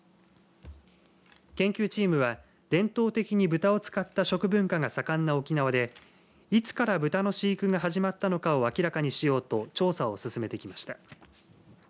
研究チームは伝統的に豚を使った食文化が盛んな沖縄でいつからブタの飼育が始まったのかを明らかにしようと調査を進めてきました。